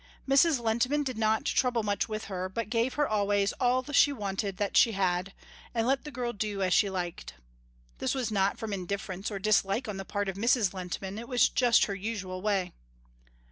Mrs. Lehntman did not trouble much with her, but gave her always all she wanted that she had, and let the girl do as she liked. This was not from indifference or dislike on the part of Mrs. Lehntman, it was just her usual way.